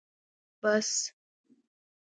🚍 بس